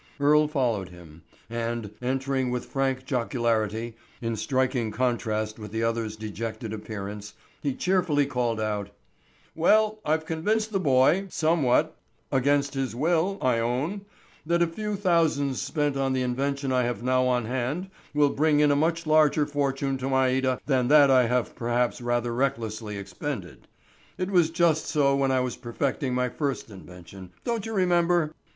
Earle followed him, and, entering with frank jocularity, in striking contrast with the other's dejected appearance, he cheerfully called out: "Well, I've convinced the boy, somewhat, against his will, I own, that a few thousands spent on the invention I have now on hand will bring in a much larger fortune to Maida than that I have perhaps rather recklessly expended. It was just so when I was perfecting my first invention, don't you remember?